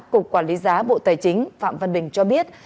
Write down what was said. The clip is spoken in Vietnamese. cục quản lý giá bộ tài chính phạm văn bình cho biết